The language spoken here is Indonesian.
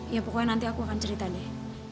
ya pokoknya nanti aku akan cerita nih